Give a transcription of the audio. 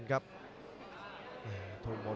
ฮีวอร์เป็นฮีวอร์